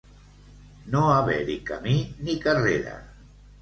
No haver-hi camí ni carrera.